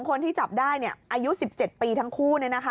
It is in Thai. คนที่จับได้อายุ๑๗ปีทั้งคู่